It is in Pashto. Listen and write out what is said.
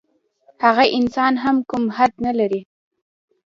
هغه انسان هم کوم حد نه لري.